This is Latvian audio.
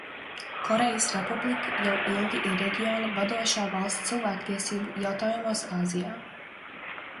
Korejas Republika jau ilgi ir reģiona vadošā valsts cilvēktiesību jautājumos Āzijā.